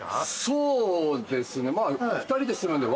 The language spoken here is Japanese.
そうですねまぁ。